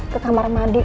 ke kamar mandi